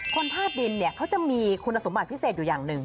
ธาตุดินเนี่ยเขาจะมีคุณสมบัติพิเศษอยู่อย่างหนึ่ง